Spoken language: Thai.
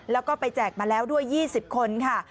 แล้วก็ไปแจกมาแล้วด้วย๒๐คนค่ะ